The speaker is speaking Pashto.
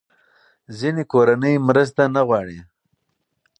ځینې کورنۍ مرسته نه غواړي.